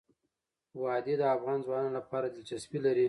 وادي د افغان ځوانانو لپاره دلچسپي لري.